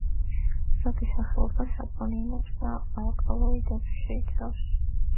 ზოგი სახეობა საპონინებს და ალკალოიდებს შეიცავს.